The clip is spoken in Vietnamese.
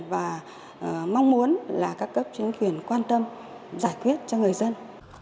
và mong muốn là các cấp chính quyền quan tâm giải quyết cho người dân